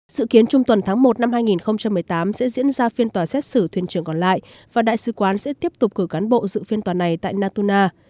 sự kiến trung tuần tháng một năm hai nghìn một mươi tám sẽ diễn ra phiên tòa xét xử thuyền trưởng còn lại và đại sứ quán sẽ tiếp tục cử cán bộ dự phiên tòa này tại natuna